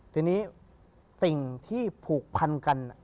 ทีนี้สิ่งที่ผูกพันกัน